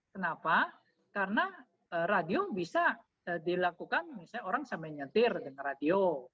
kenapa karena radio bisa dilakukan misalnya orang sampai nyetir dengan radio